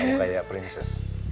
kamu kayak princess